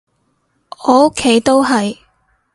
我屋企都係